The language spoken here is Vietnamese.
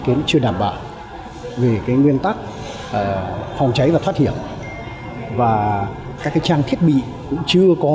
kiến chưa đảm bảo về cái nguyên tắc phòng cháy và thoát hiểm và các trang thiết bị cũng chưa có